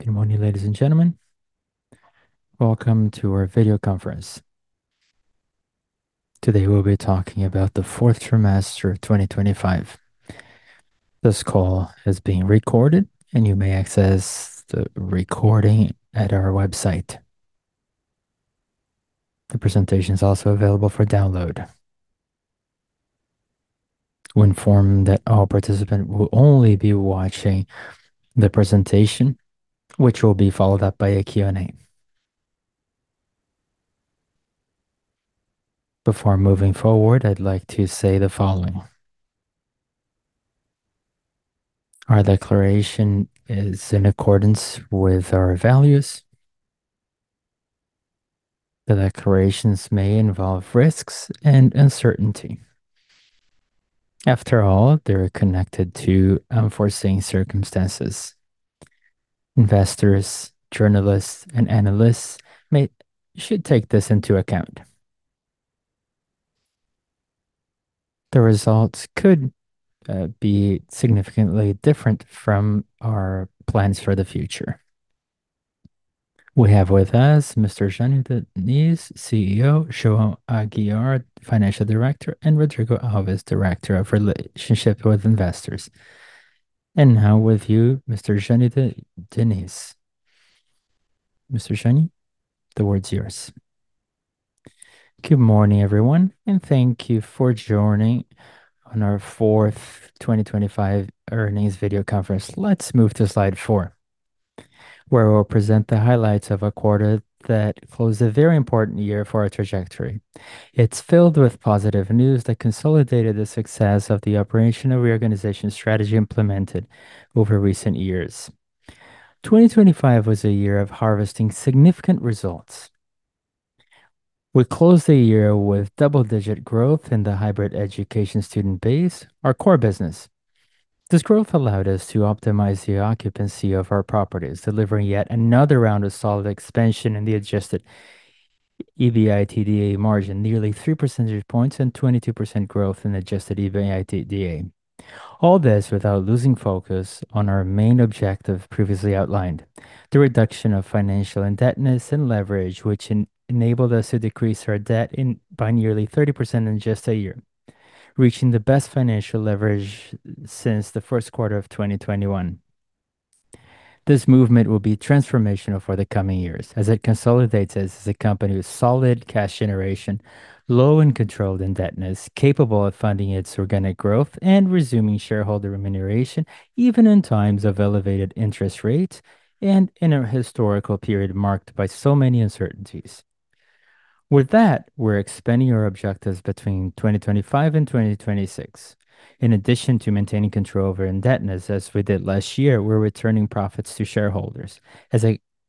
Good morning ladies and gentlemen. Welcome to our video conference. Today, we'll be talking about the fourth trimester of 2025. This call is being recorded, and you may access the recording at our website. The presentation is also available for download. We inform that all participants will only be watching the presentation, which will be followed up by a Q&A. Before moving forward, I'd like to say the following. Our declaration is in accordance with our values. The declarations may involve risks and uncertainty. After all, they're connected to unforeseen circumstances. Investors, journalists, and analysts should take this into account. The results could be significantly different from our plans for the future. We have with us Mr. Jânyo Diniz, CEO, João Aguiar, Financial Director, and Rodrigo Alves, Director of Investor Relations. Now with you, Mr. Jânyo Diniz. Mr. Jânyo, the floor is yours. Good morning everyone and thank you for joining on our fourth 2025 earnings video conference. Let's move to slide 4, where we'll present the highlights of a quarter that closed a very important year for our trajectory. It's filled with positive news that consolidated the success of the operational reorganization strategy implemented over recent years. 2025 was a year of harvesting significant results. We closed the year with double-digit growth in the hybrid education student base, our core business. This growth allowed us to optimize the occupancy of our properties, delivering yet another round of solid expansion in the Adjusted EBITDA margin, nearly 3 percentage points and 22% growth in Adjusted EBITDA. All this without losing focus on our main objective previously outlined, the reduction of financial indebtedness and leverage, which enabled us to decrease our debt by nearly 30% in just a year, reaching the best financial leverage since the first quarter of 2021. This movement will be transformational for the coming years as it consolidates us as a company with solid cash generation, low and controlled indebtedness, capable of funding its organic growth and resuming shareholder remuneration, even in times of elevated interest rates and in a historical period marked by so many uncertainties. With that, we're expanding our objectives between 2025 and 2026. In addition to maintaining control over indebtedness as we did last year, we're returning profits to shareholders, as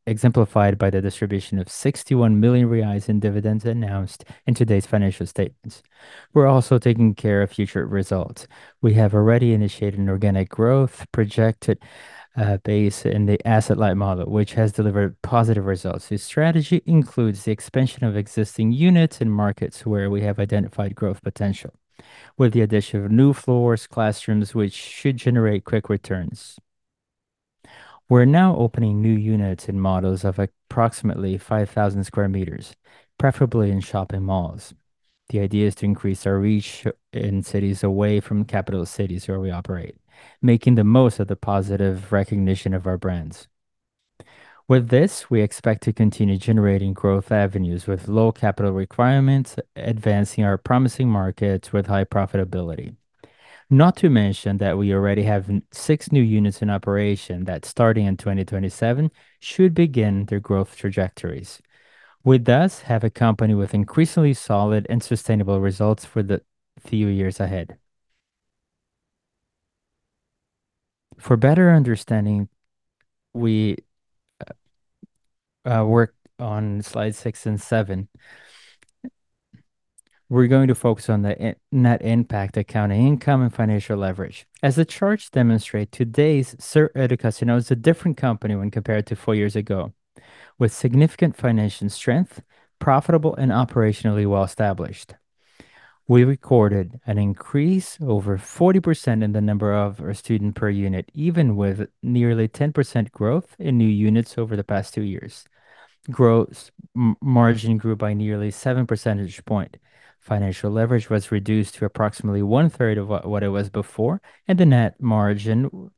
exemplified by the distribution of 61 million reais in dividends announced in today's financial statements. We're also taking care of future results. We have already initiated an organic growth projected base in the asset-light model, which has delivered positive results. This strategy includes the expansion of existing units in markets where we have identified growth potential with the addition of new floors, classrooms which should generate quick returns. We're now opening new units in models of approximately 5,000 sq m, preferably in shopping malls. The idea is to increase our reach in cities away from capital cities where we operate, making the most of the positive recognition of our brands. With this, we expect to continue generating growth avenues with low capital requirements, advancing our promising markets with high profitability. Not to mention that we already have six new units in operation that starting in 2027 should begin their growth trajectories. We thus have a company with increasingly solid and sustainable results for the few years ahead. For better understanding, we work on slide 6 and 7. We're going to focus on the net impact accounting income and financial leverage. As the charts demonstrate, today's Ser Educacional is a different company when compared to four years ago, with significant financial strength, profitable, and operationally well-established. We recorded an increase over 40% in the number of our students per unit, even with nearly 10% growth in new units over the past two years. Gross margin grew by nearly seven percentage points. Financial leverage was reduced to approximately 1/3 of what it was before, and the net margin,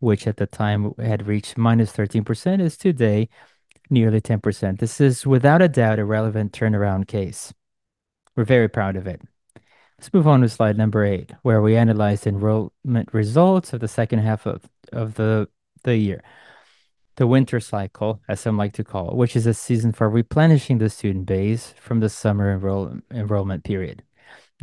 which at the time had reached -13%, is today nearly 10%. This is without a doubt a relevant turnaround case. We're very proud of it. Let's move on to slide number 8, where we analyze enrollment results of the second half of the year. The winter cycle, as some like to call it, which is a season for replenishing the student base from the summer enrollment period.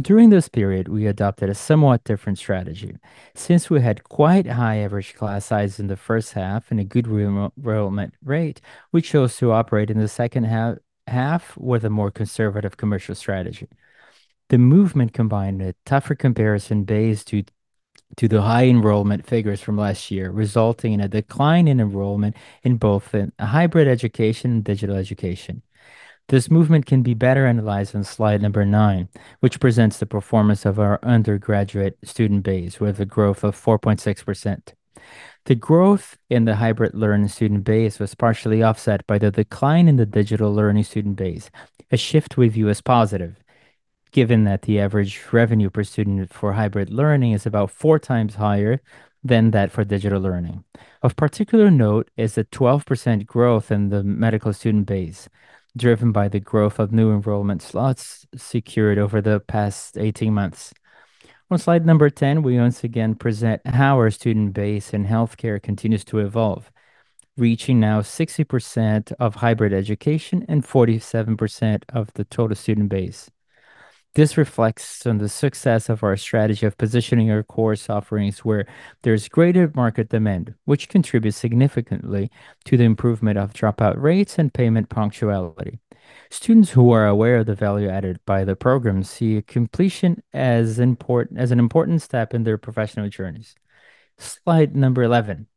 During this period, we adopted a somewhat different strategy. Since we had quite high average class size in the first half and a good re-enrollment rate, we chose to operate in the second half with a more conservative commercial strategy. The movement combined a tougher comparison base due to the high enrollment figures from last year, resulting in a decline in enrollment in both the hybrid education and digital education. This movement can be better analyzed on slide number 9, which presents the performance of our undergraduate student base with a growth of 4.6%. The growth in the hybrid learning student base was partially offset by the decline in the digital learning student base. A shift we view as positive, given that the average revenue per student for hybrid learning is about 4x higher than that for digital learning. Of particular note is the 12% growth in the medical student base, driven by the growth of new enrollment slots secured over the past 18 months. On slide number 10, we once again present how our student base in healthcare continues to evolve, reaching now 60% of hybrid education and 47% of the total student base. This reflects on the success of our strategy of positioning our course offerings where there's greater market demand, which contributes significantly to the improvement of dropout rates and payment punctuality. Students who are aware of the value added by the program see completion as an important step in their professional journeys. Slide 11.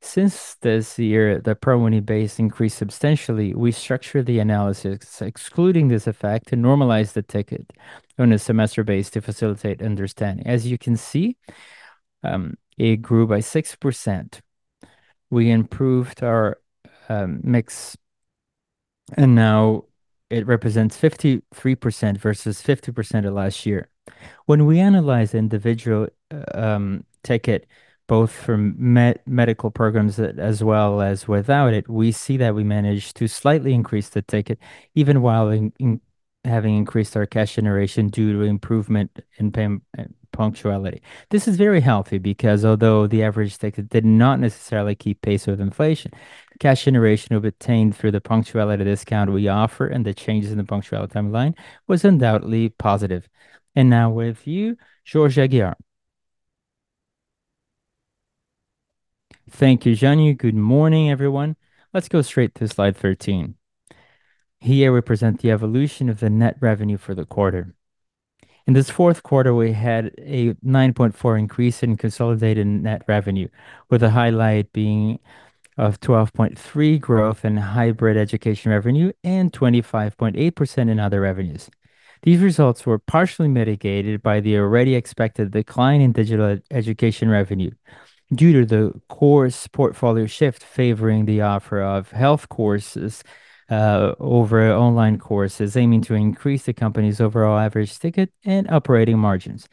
Since this year, the ProUni base increased substantially. We structured the analysis excluding this effect to normalize the ticket on a semester basis to facilitate understanding. As you can see, it grew by 6%. We improved our mix, and now it represents 53% versus 50% of last year. When we analyze individual ticket, both from medical programs as well as without it, we see that we managed to slightly increase the ticket even while in having increased our cash generation due to improvement in payment punctuality. This is very healthy because although the average ticket did not necessarily keep pace with inflation, cash generation we've obtained through the punctuality discount we offer and the changes in the punctuality timeline was undoubtedly positive. Now with you, João Aguiar. Thank you Jânyo. Good morning, everyone. Let's go straight to slide 13. Here we present the evolution of the net revenue for the quarter. In this fourth quarter, we had a 9.4% increase in consolidated net revenue, with the highlight being of 12.3% growth in hybrid education revenue and 25.8% in other revenues. These results were partially mitigated by the already expected decline in digital e-education revenue due to the course portfolio shift favoring the offer of health courses over online courses, aiming to increase the company's overall average ticket and operating margins.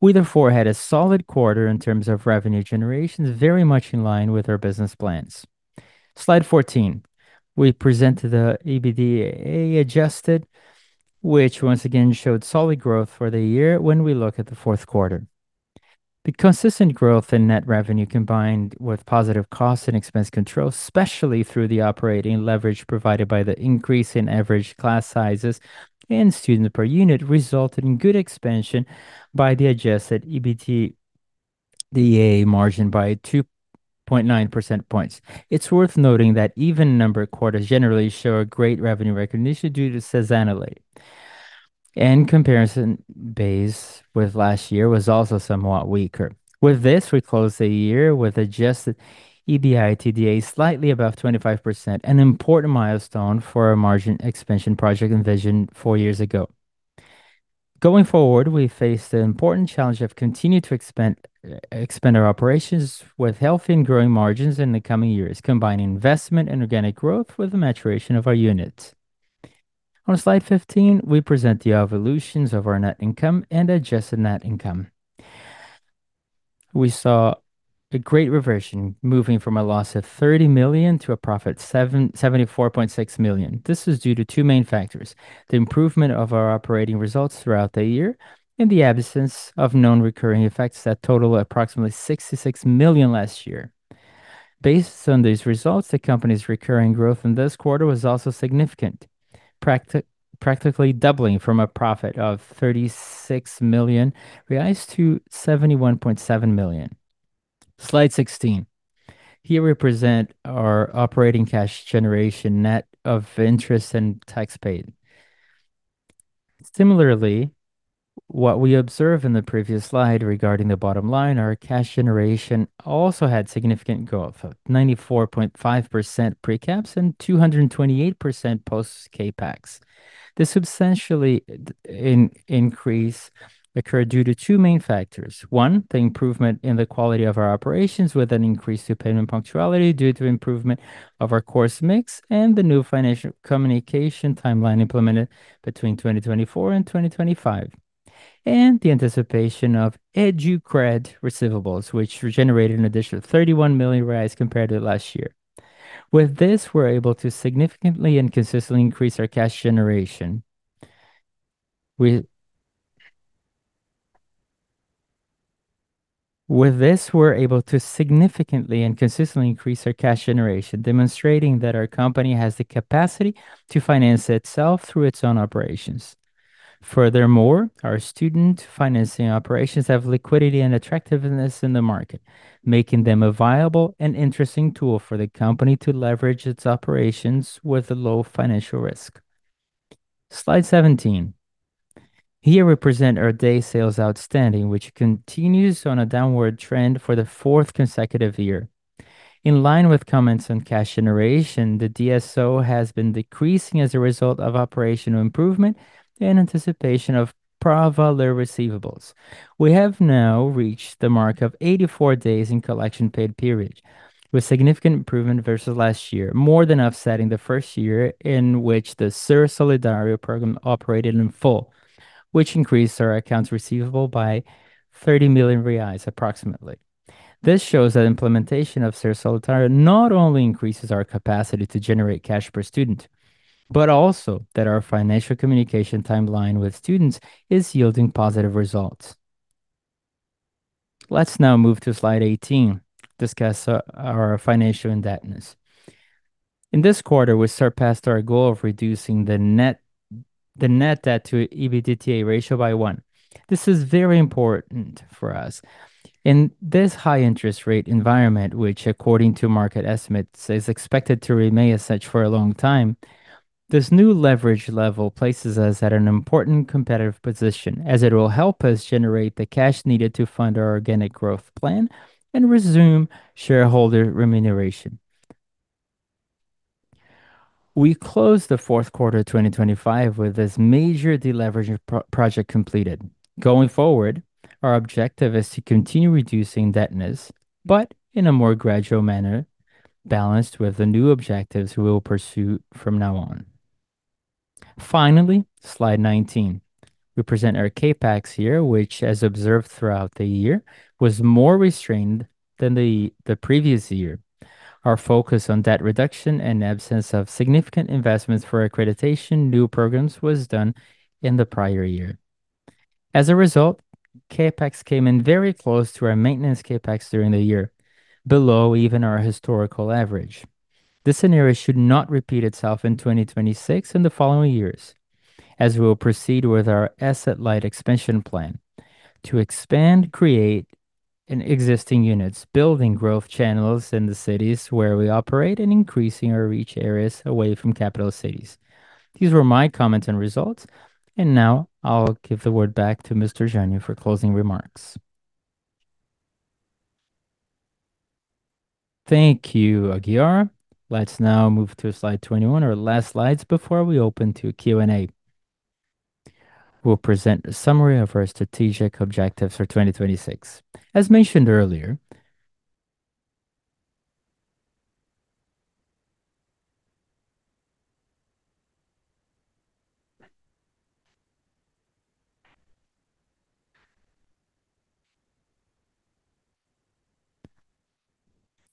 We therefore had a solid quarter in terms of revenue generation, very much in line with our business plans. Slide 14. We present the EBITDA adjusted, which once again showed solid growth for the year when we look at the fourth quarter. The consistent growth in net revenue, combined with positive costs and expense control, especially through the operating leverage provided by the increase in average class sizes and students per unit, resulted in good expansion of the Adjusted EBITDA margin by 2.9 percentage points. It's worth noting that even number quarters generally show a great revenue recognition due to seasonality and comparison basis with last year was also somewhat weaker. With this, we close the year with Adjusted EBITDA slightly above 25%, an important milestone for our margin expansion project envisioned four years ago. Going forward, we face the important challenge of continuing to expand our operations with healthy and growing margins in the coming years, combining investment and organic growth with the maturation of our units. On slide 15, we present the evolutions of our net income and adjusted net income. We saw a great reversion, moving from a loss of 30 million to a profit of 74.6 million. This is due to two main factors, the improvement of our operating results throughout the year and the absence of non-recurring effects that totaled approximately 66 million last year. Based on these results, the company's recurring growth in this quarter was also significant, practically doubling from a profit of 36 million reais to 71.7 million. Slide 16. Here we present our operating cash generation net of interest and tax paid. Similarly, what we observed in the previous slide regarding the bottom line, our cash generation also had significant growth of 94.5% pre-CapEx and 228% post-CapEx. This substantial increase occurred due to two main factors. One, the improvement in the quality of our operations with an increase to payment punctuality due to improvement of our course mix and the new financial communication timeline implemented between 2024 and 2025, and the anticipation of Educred receivables, which generated an additional 31 million compared to last year. With this, we're able to significantly and consistently increase our cash generation, demonstrating that our company has the capacity to finance itself through its own operations. Furthermore, our student financing operations have liquidity and attractiveness in the market, making them a viable and interesting tool for the company to leverage its operations with a low financial risk. Slide 17. Here we present our day sales outstanding, which continues on a downward trend for the fourth consecutive year. In line with comments on cash generation, the DSO has been decreasing as a result of operational improvement in anticipation of Provale receivables. We have now reached the mark of 84 days in collection paid period, with significant improvement versus last year, more than offsetting the first year in which the Ser Solidário program operated in full, which increased our accounts receivable by 30 million reais approximately. This shows that implementation of Ser Solidário not only increases our capacity to generate cash per student, but also that our financial communication timeline with students is yielding positive results. Let's now move to slide 18, discuss our financial indebtedness. In this quarter, we surpassed our goal of reducing the net debt to EBITDA ratio by 1. This is very important for us. In this high interest rate environment, which according to market estimates is expected to remain as such for a long time, this new leverage level places us at an important competitive position as it will help us generate the cash needed to fund our organic growth plan and resume shareholder remuneration. We closed the fourth quarter of 2025 with this major deleveraging program completed. Going forward, our objective is to continue reducing indebtedness, but in a more gradual manner balanced with the new objectives we will pursue from now on. Finally, slide 19. We present our CapEx here, which as observed throughout the year, was more restrained than the previous year. Our focus on debt reduction and absence of significant investments for accreditation new programs was done in the prior year. As a result, CapEx came in very close to our maintenance CapEx during the year, below even our historical average. This scenario should not repeat itself in 2026 and the following years, as we will proceed with our asset-light expansion plan to expand, create in existing units, building growth channels in the cities where we operate, and increasing our reach areas away from capital cities. These were my comments and results, and now I'll give the word back to Mr. Jânyo Diniz for closing remarks. Thank you, Aguiar. Let's now move to slide 21, our last slides before we open to Q&A. We'll present a summary of our strategic objectives for 2026. As mentioned earlier.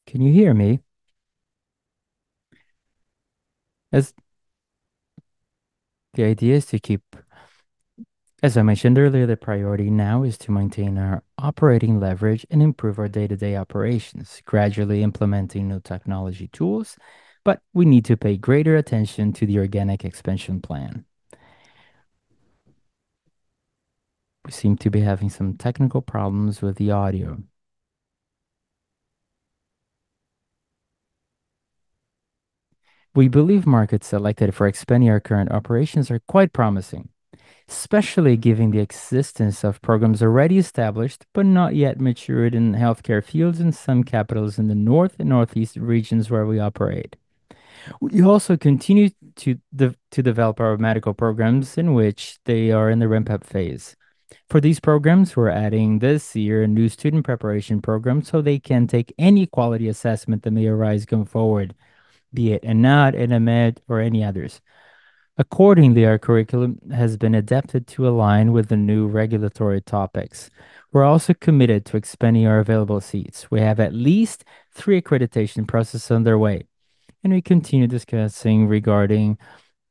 Can you hear me? The idea is to keep. As I mentioned earlier, the priority now is to maintain our operating leverage and improve our day-to-day operations, gradually implementing new technology tools, but we need to pay greater attention to the organic expansion plan. We seem to be having some technical problems with the audio. We believe markets selected for expanding our current operations are quite promising, especially given the existence of programs already established but not yet matured in healthcare fields in some capitals in the north and northeast regions where we operate. We also continue to develop our medical programs in which they are in the ramp-up phase. For these programs, we're adding this year a new student preparation program, so they can take any quality assessment that may arise going forward, be it ENADE, Enamed or any others. Accordingly, our curriculum has been adapted to align with the new regulatory topics. We're also committed to expanding our available seats. We have at least three accreditation processes underway, and we continue discussing regarding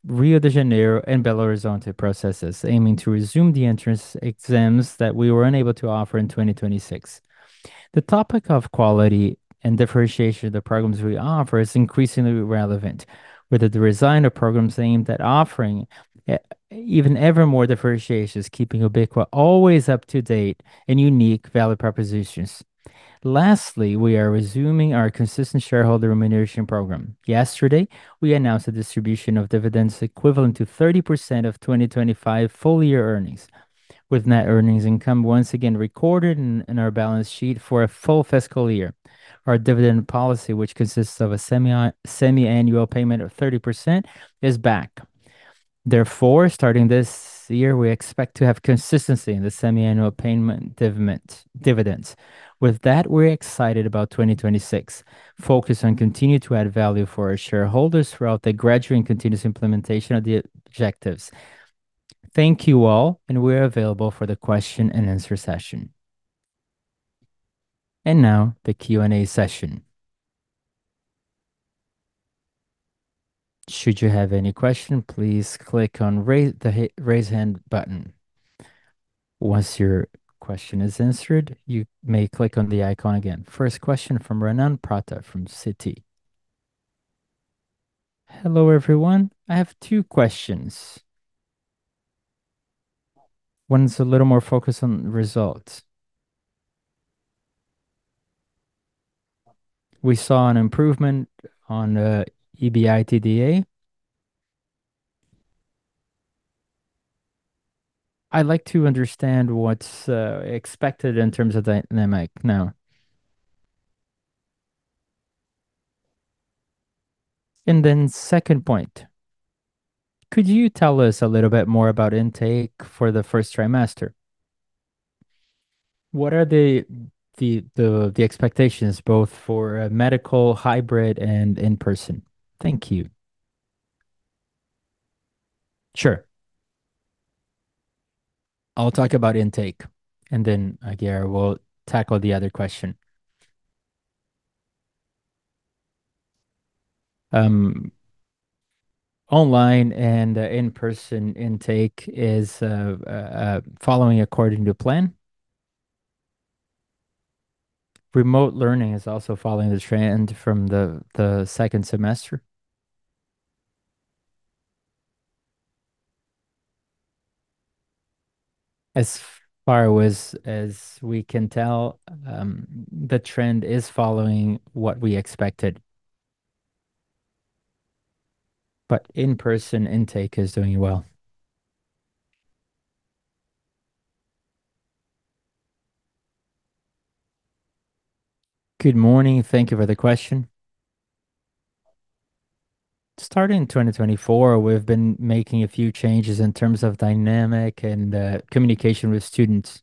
Rio de Janeiro and Belo Horizonte processes, aiming to resume the entrance exams that we were unable to offer in 2026. The topic of quality and differentiation of the programs we offer is increasingly relevant. With the design of programs aimed at offering even more differentiations, keeping Ubíqua always up to date and unique value propositions. Lastly, we are resuming our consistent shareholder remuneration program. Yesterday, we announced a distribution of dividends equivalent to 30% of 2025 full-year earnings. With net earnings income once again recorded in our balance sheet for a full fiscal year. Our dividend policy, which consists of a semi-annual payment of 30%, is back. Therefore, starting this year, we expect to have consistency in the semi-annual payment dividends. With that, we're excited about 2026. Focus on continue to add value for our shareholders throughout the gradual and continuous implementation of the objectives. Thank you all, and we're available for the question and answer session. Now the Q&A session. First question from Renan Prata from Citi. Hello everyone. I have two questions. One is a little more focused on results. We saw an improvement on EBITDA. I'd like to understand what's expected in terms of dynamics now. Then second point, could you tell us a little bit more about intake for the first trimester? What are the expectations both for remote, hybrid, and in-person? Thank you. Sure. I'll talk about intake, and then Aguiar will tackle the other question. Online and in-person intake is following according to plan. Remote learning is also following the trend from the second semester. As far as we can tell, the trend is following what we expected. In-person intake is doing well. Good morning. Thank you for the question. Starting 2024, we've been making a few changes in terms of dynamic and communication with students.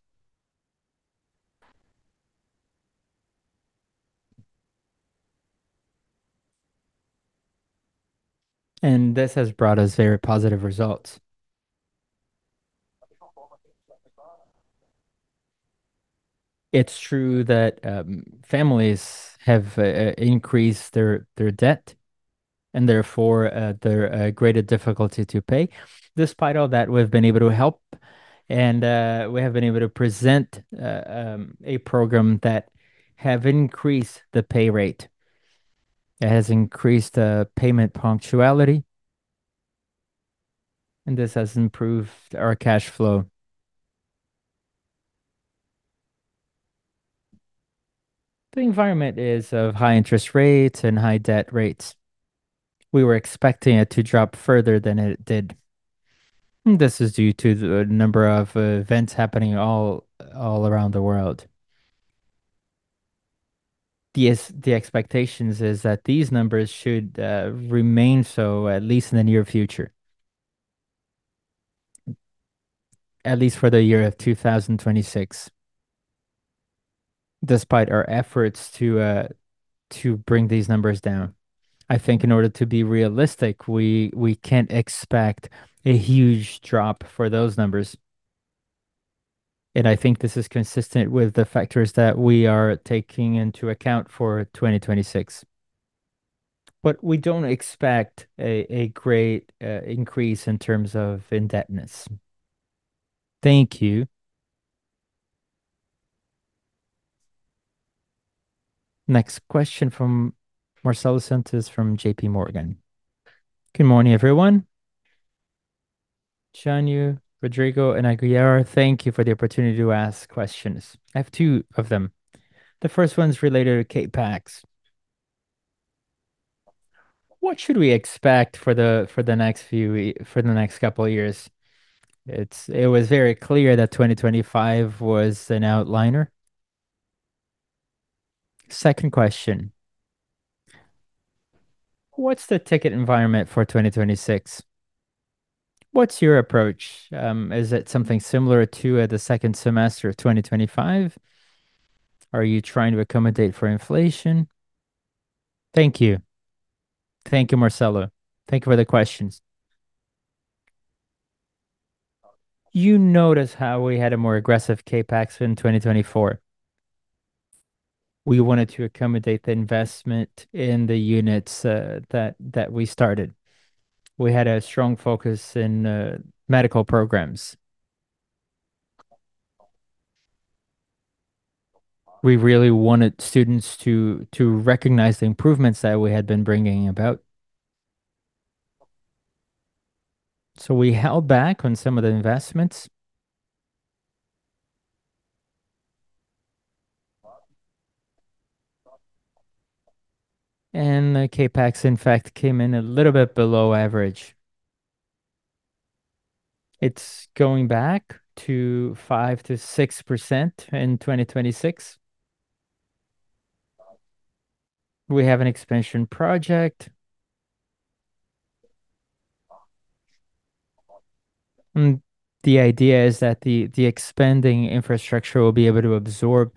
This has brought us very positive results. It's true that families have increased their debt, and therefore their greater difficulty to pay. Despite all that, we've been able to help, and we have been able to present a program that have increased the pay rate. It has increased payment punctuality, and this has improved our cash flow. The environment is of high interest rates and high debt rates. We were expecting it to drop further than it did. This is due to the number of events happening around the world. The expectations is that these numbers should remain so at least in the near future. At least for the year of 2026. Despite our efforts to bring these numbers down, I think in order to be realistic, we can't expect a huge drop for those numbers. I think this is consistent with the factors that we are taking into account for 2026. We don't expect a great increase in terms of indebtedness. Thank you. Next question from Marcelo Santos from JP Morgan. Good morning everyone. Jânyo Diniz, Rodrigo Alves, and João Aguiar, thank you for the opportunity to ask questions. I have two of them. The first one's related to CapEx. What should we expect for the next couple of years? It was very clear that 2025 was an outlier. Second question. What's the ticket environment for 2026? What's your approach? Is it something similar to the second semester of 2025? Are you trying to accommodate for inflation? Thank you. Thank you Marcelo. Thank you for the questions. You notice how we had a more aggressive CapEx in 2024. We wanted to accommodate the investment in the units that we started. We had a strong focus in medical programs. We really wanted students to recognize the improvements that we had been bringing about. We held back on some of the investments. The CapEx, in fact, came in a little bit below average. It's going back to 5%-6% in 2026. We have an expansion project. The idea is that the expanding infrastructure will be able to absorb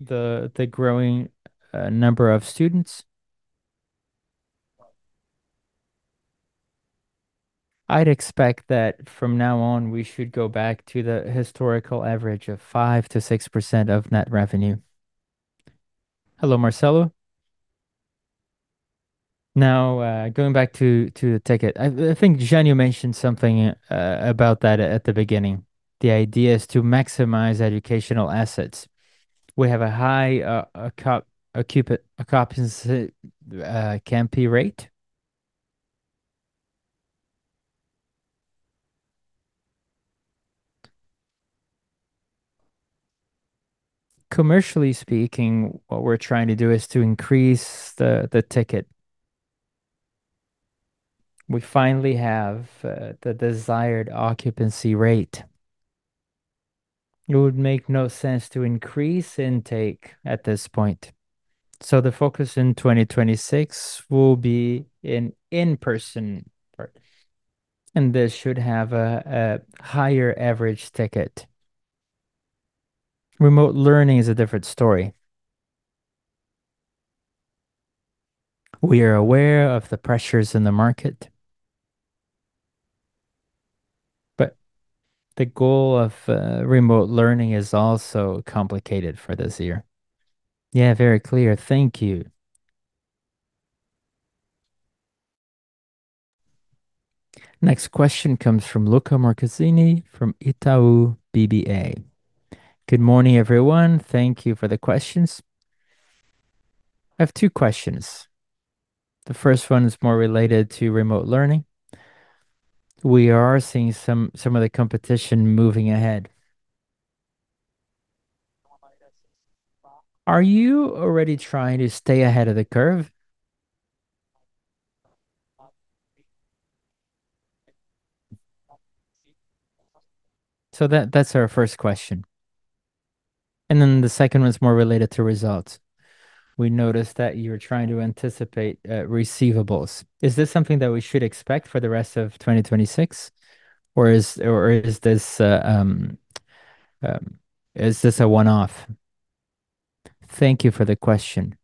the growing number of students. I'd expect that from now on, we should go back to the historical average of 5%-6% of net revenue. Hello Marcelo. Now, going back to the ticket. I think Jânyo mentioned something about that at the beginning. The idea is to maximize educational assets. We have a high occupancy rate. Commercially speaking, what we're trying to do is to increase the ticket. We finally have the desired occupancy rate. It would make no sense to increase intake at this point. The focus in 2026 will be in-person part. This should have a higher average ticket. Remote learning is a different story. We are aware of the pressures in the market. The goal of remote learning is also complicated for this year. Yeah, very clear. Thank you. Next question comes from Luca Marchesini from Itaú BBA. Good morning everyone. Thank you for the questions. I have two questions. The first one is more related to remote learning. We are seeing some of the competition moving ahead. Are you already trying to stay ahead of the curve? That's our first question. The second one's more related to results. We noticed that you're trying to anticipate receivables. Is this something that we should expect for the rest of 2026, or is this a one-off? Thank you for the question.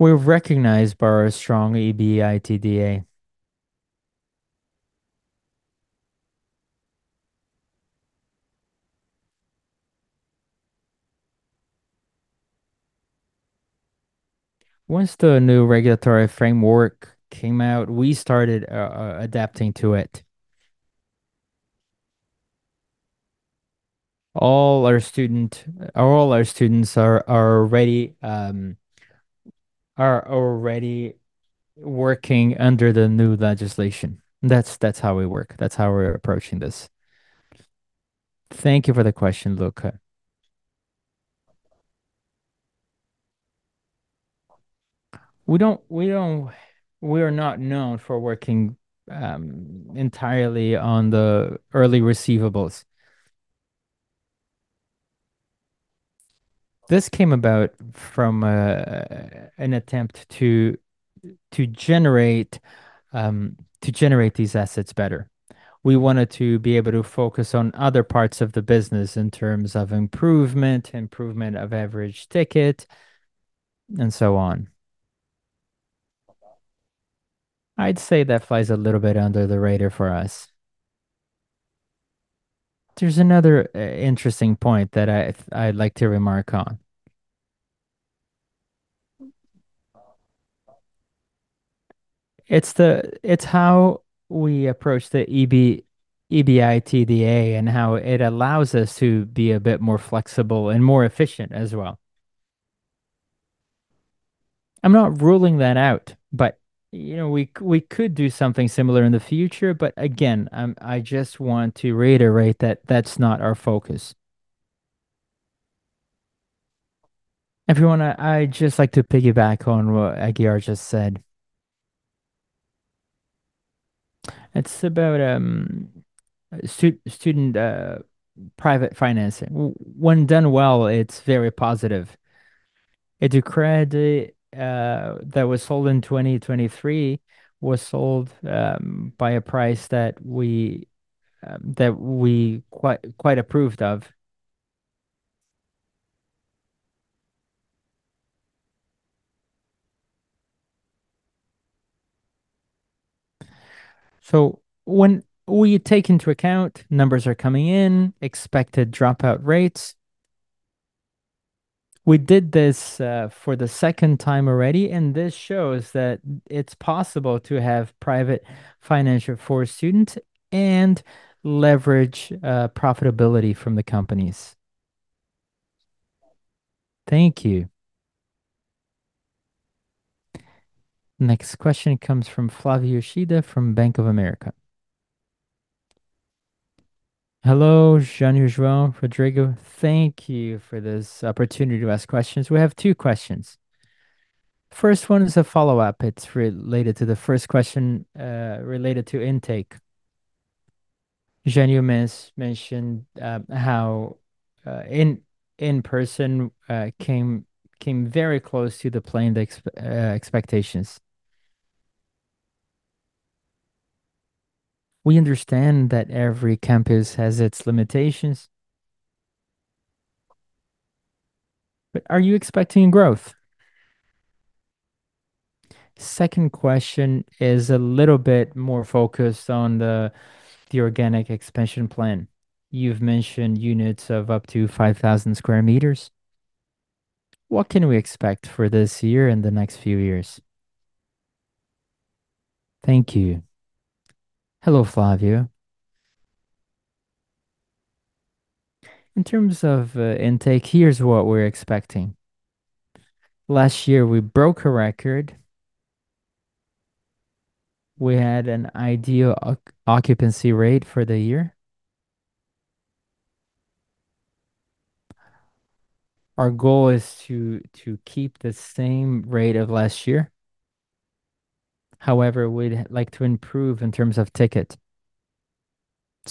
We recognize Barra's strong EBITDA. Once the new regulatory framework came out, we started adapting to it. All our students are already working under the new legislation. That's how we work. That's how we're approaching this. Thank you for the question, Luca. We are not known for working entirely on the early receivables. This came about from an attempt to generate these assets better. We wanted to be able to focus on other parts of the business in terms of improvement of average ticket, and so on. I'd say that flies a little bit under the radar for us. There's another interesting point that I'd like to remark on. It's how we approach the EBITDA, and how it allows us to be a bit more flexible and more efficient as well. I'm not ruling that out, but we could do something similar in the future. Again, I just want to reiterate that that's not our focus. Everyone, I'd just like to piggyback on what Aguiar just said. It's about student private financing. When done well, it's very positive. Educred that was sold in 2023 was sold at a price that we quite approved of. When we take into account the numbers as they are coming in, expected dropout rates. We did this for the second time already, and this shows that it's possible to have private financing for students and leverage profitability from the companies. Thank you. Next question comes from Flavio Yoshida from Bank of America. Hello Jânyo, João, Rodrigo. Thank you for this opportunity to ask questions. We have two questions. First one is a follow-up. It's related to the first question, related to intake. Jânyo, you mentioned how in-person came very close to the planned expectations. We understand that every campus has its limitations. Are you expecting growth? Second question is a little bit more focused on the organic expansion plan. You've mentioned units of up to 5,000 sq m. What can we expect for this year and the next few years? Thank you. Hello Flavio. In terms of intake, here's what we're expecting. Last year we broke a record. We had an ideal occupancy rate for the year. Our goal is to keep the same rate of last year. However, we'd like to improve in terms of ticket.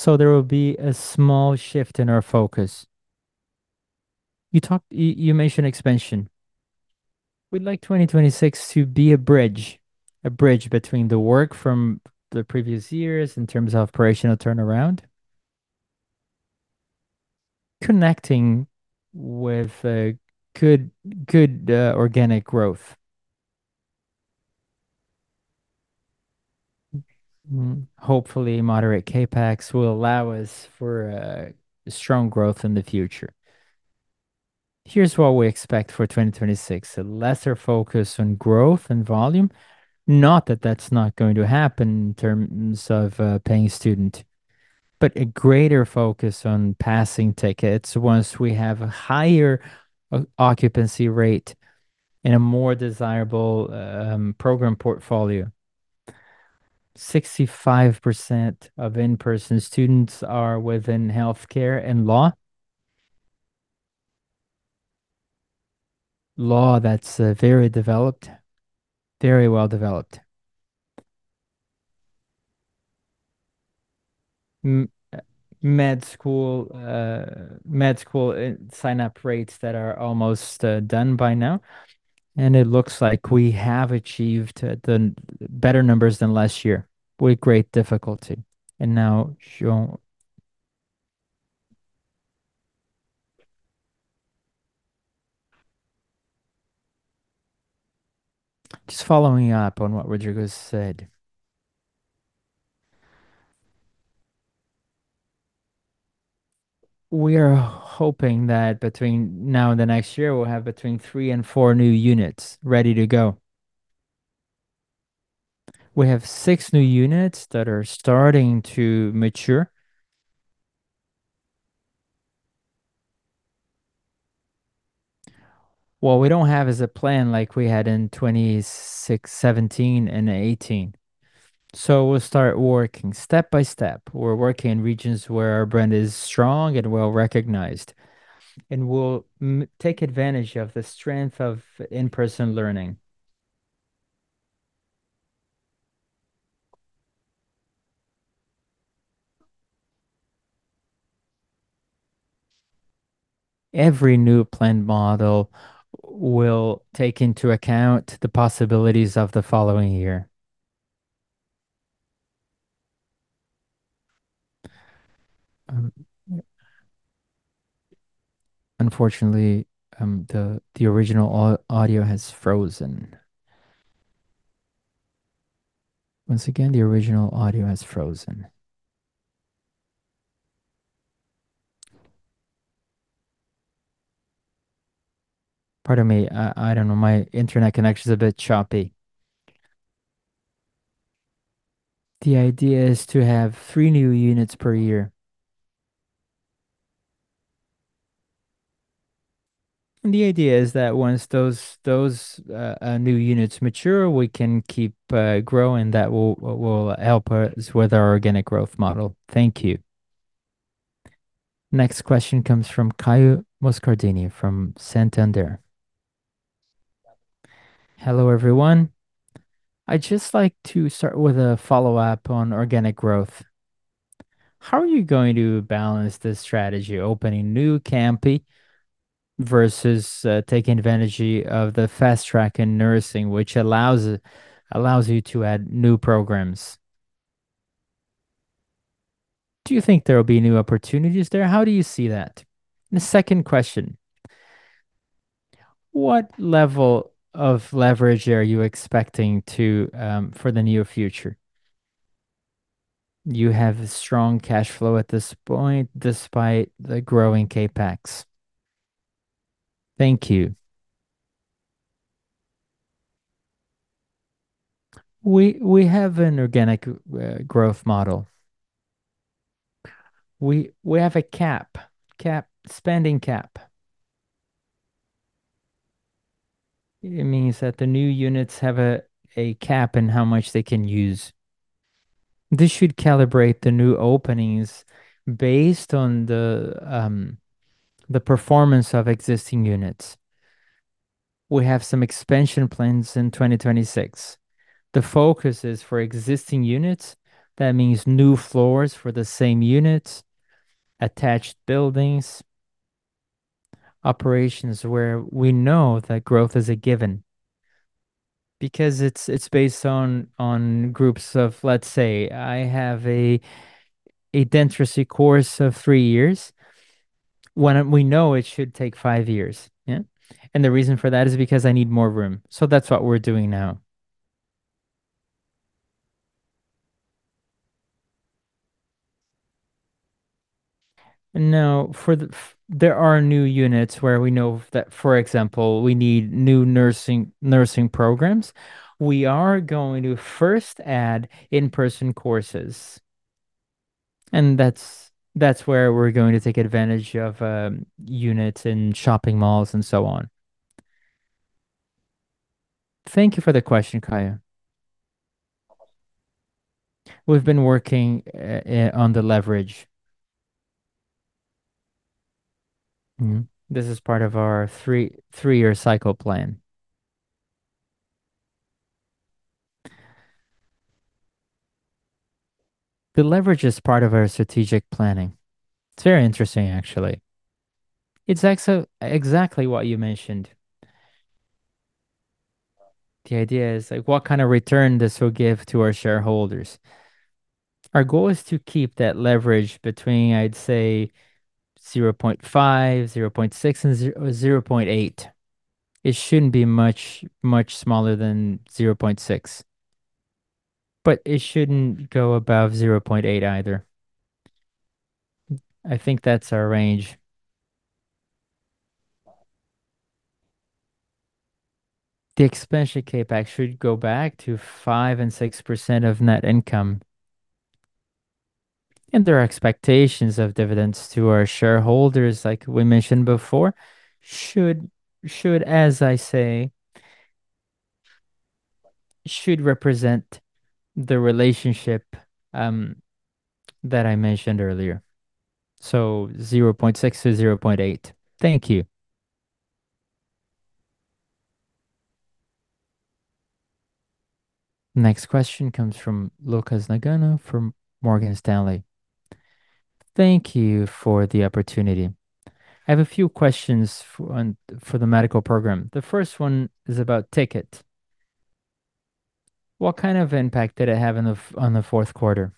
There will be a small shift in our focus. You mentioned expansion. We'd like 2026 to be a bridge between the work from the previous years in terms of operational turnaround, connecting with a good organic growth. Hopefully, moderate CapEx will allow us for a strong growth in the future. Here's what we expect for 2026. A lesser focus on growth and volume, not that that's not going to happen in terms of paying student, but a greater focus on passing tickets once we have a higher occupancy rate and a more desirable program portfolio. 65% of in-person students are within healthcare and law. Law that's very developed. Very well developed. Med school sign-up rates that are almost done by now, and it looks like we have achieved the better numbers than last year with great difficulty. Now João. Just following up on what Rodrigo said. We are hoping that between now and the next year we'll have between 3 and 4 new units ready to go. We have 6 new units that are starting to mature. What we don't have is a plan like we had in 2016, 2017 and 2018. We'll start working step by step. We're working in regions where our brand is strong and well-recognized, and we'll take advantage of the strength of in-person learning. Every new planned model will take into account the possibilities of the following year. Unfortunately, the original audio has frozen. Once again, the original audio has frozen. Pardon me. I don't know. My internet connection's a bit choppy. The idea is to have three new units per year. The idea is that once those new units mature, we can keep growing. That will help us with our organic growth model. Thank you. Next question comes from Caio Moscardini from Santander. Hello everyone. I'd just like to start with a follow-up on organic growth. How are you going to balance this strategy, opening new campi versus taking advantage of the fast track in nursing, which allows you to add new programs? Do you think there will be new opportunities there? How do you see that? The second question: What level of leverage are you expecting to for the near future? You have a strong cash flow at this point, despite the growing CapEx. Thank you. We have an organic growth model. We have a spending cap. It means that the new units have a cap in how much they can use. This should calibrate the new openings based on the performance of existing units. We have some expansion plans in 2026. The focus is for existing units. That means new floors for the same units, attached buildings, operations where we know that growth is a given. Because it's based on groups of, let's say, I have a dentistry course of three years when we know it should take 5 years, yeah. The reason for that is because I need more room. That's what we're doing now. There are new units where we know that, for example, we need new nursing programs. We are going to first add in-person courses, and that's where we're going to take advantage of units in shopping malls and so on. Thank you for the question, Caio Moscardini. We've been working on the leverage. This is part of our three-year cycle plan. The leverage is part of our strategic planning. It's very interesting, actually. It's exactly what you mentioned. The idea is like, what kind of return this will give to our shareholders? Our goal is to keep that leverage between, I'd say 0.5, 0.6 and 0.8. It shouldn't be much, much smaller than 0.6, but it shouldn't go above 0.8 either. I think that's our range. The expansion CapEx should go back to 5%-6% of net income. There are expectations of dividends to our shareholders like we mentioned before should, as I say, represent the relationship that I mentioned earlier, so 0.6-0.8. Thank you. Next question comes from Lucas Nagano from Morgan Stanley. Thank you for the opportunity. I have a few questions for the medical program. The first one is about ticket. What kind of impact did it have on the fourth quarter?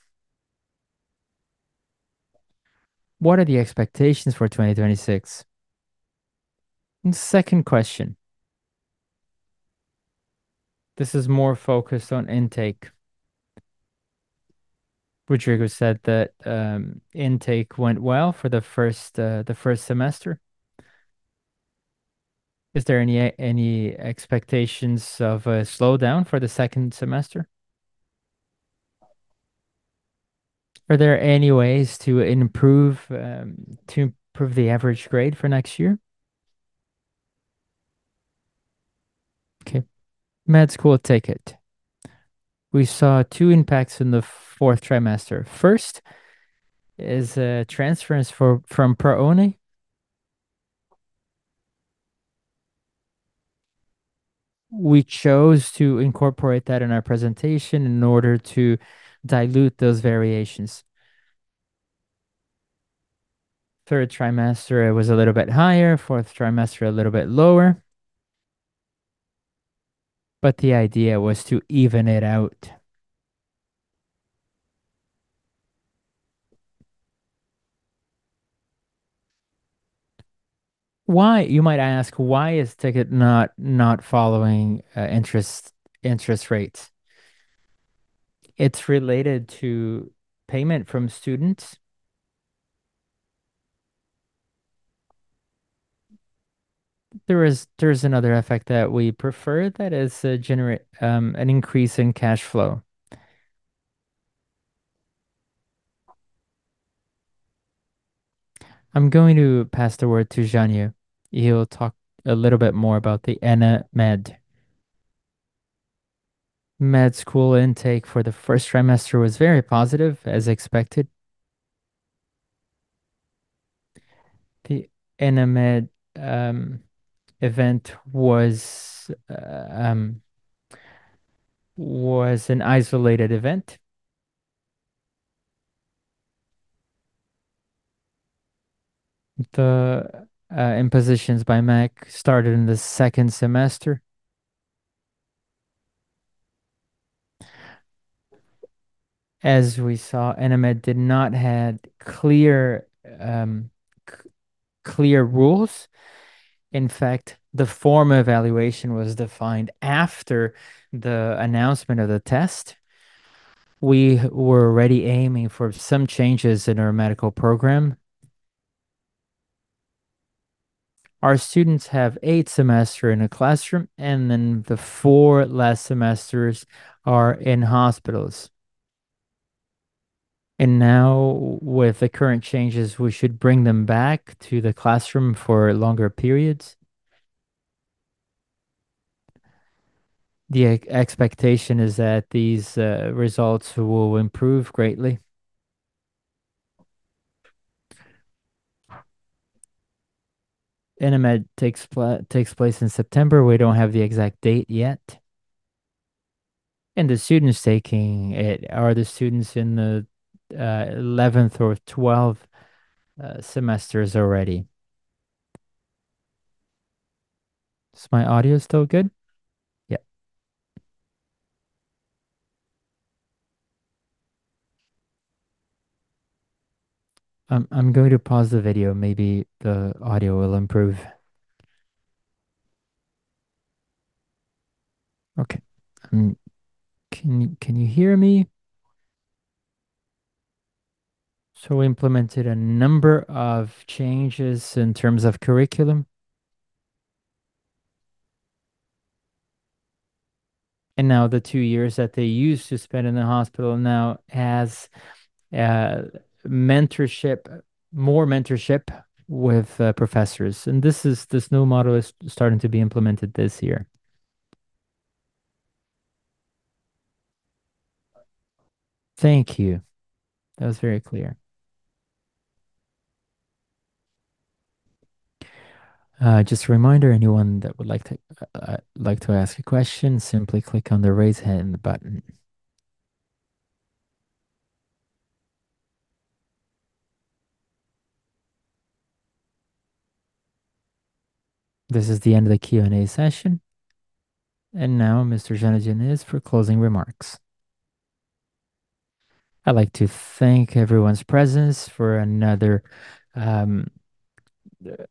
What are the expectations for 2026? Second question. This is more focused on intake. Rodrigo said that intake went well for the first semester. Is there any expectations of a slowdown for the second semester? Are there any ways to improve the average grade for next year? Okay. Med school ticket. We saw two impacts in the fourth trimester. First is transference from ProUni. We chose to incorporate that in our presentation in order to dilute those variations. Third trimester it was a little bit higher, fourth trimester a little bit lower. The idea was to even it out. Why, you might ask, why is ticket not following interest rates? It's related to payment from students. There is another effect that we prefer that generates an increase in cash flow. I'm going to pass the word to Jânyo. He'll talk a little bit more about the Enamed. Med school intake for the first trimester was very positive, as expected. The Enamed event was an isolated event. The impositions by MEC started in the second semester. As we saw, Enamed did not have clear rules. In fact, the form evaluation was defined after the announcement of the test. We were already aiming for some changes in our medical program. Our students have eight semesters in a classroom, and then the four last semesters are in hospitals. Now with the current changes, we should bring them back to the classroom for longer periods. The expectation is that these results will improve greatly. Enamed takes place in September. We don't have the exact date yet. The students taking it are the students in the eleventh or twelfth semesters already. Is my audio still good? Yeah. I'm going to pause the video. Maybe the audio will improve. Okay. Can you hear me? We implemented a number of changes in terms of curriculum. Now the two years that they used to spend in the hospital now has mentorship, more mentorship with professors. This new model is starting to be implemented this year. Thank you. That was very clear. Just a reminder, anyone that would like to ask a question, simply click on the Raise Hand button. This is the end of the Q&A session. Now Mr. Jânyo Diniz for closing remarks. I'd like to thank everyone's presence for another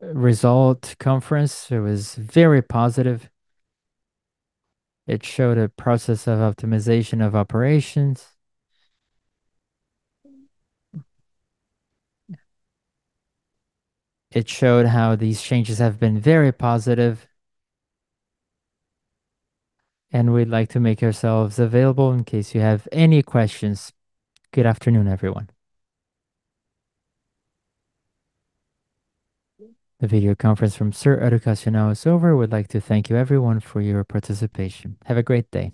result conference. It was very positive. It showed a process of optimization of operations. It showed how these changes have been very positive. We'd like to make ourselves available in case you have any questions. Good afternoon, everyone. The video conference from Ser Educacional now is over. We'd like to thank you, everyone, for your participation. Have a great day.